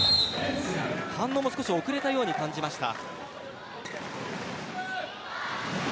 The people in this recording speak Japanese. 反応も少し遅れたように感じました。